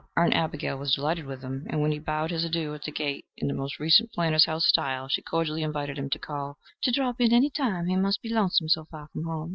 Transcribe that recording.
Aunt Abigail was delighted with him, and when he bowed his adieux at the gate in the most recent Planters' House style, she cordially invited him to call "to drop in any time: he must be lonesome so far from home."